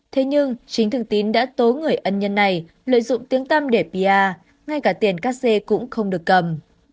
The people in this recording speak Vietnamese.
thế nhưng chính thương tín đã tố người ân nhân này lợi dụng tiếng tăm để pr ngay cả tiền cắt xe cũng không được cầm